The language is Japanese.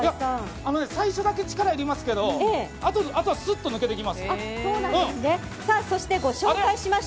最初だけ力がいりますけどあとは、すっと抜けていきます。